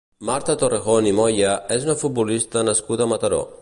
Marta Torrejón i Moya és una futbolista nascuda a Mataró.